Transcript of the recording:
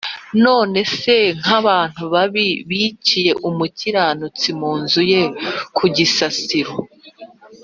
None se nk’abantu babi biciye umukiranutsi mu nzu ye ku gisasiro